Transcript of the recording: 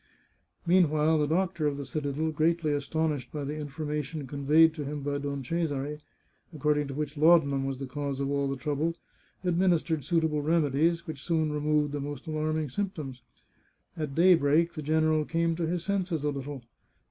Meanwhile the doctor of the citadel, greatly astonished by the information conveyed to him by Don Cesare, accord ing to which laudanum was the cause of all the trouble, ad ministered suitable remedies, which soon removed the most alarming symptoms. At daybreak the general came to his senses a little.